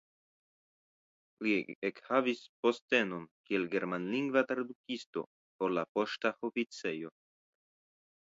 Li ekhavis postenon kiel germanlingva tradukisto por la poŝta oficejo.